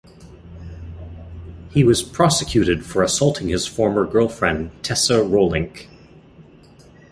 He was prosecuted for assaulting his former girlfriend Tessa Rolink.